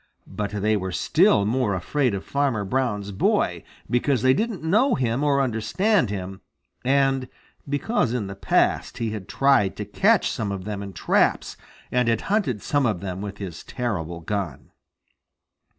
But they were still more afraid of Farmer Brown's boy, because they didn't know him or understand him, and because in the past he had tried to catch some of them in traps and had hunted some of them with his terrible gun.